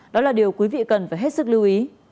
đó là điều quý vị cần phải hết sức lưu ý